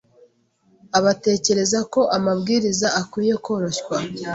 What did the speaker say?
abatekereza ko amabwiriza akwiye koroshywa,